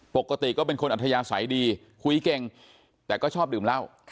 ปกติก็เป็นคนอัธยาศัยดีคุยเก่งแต่ก็ชอบดื่มเหล้า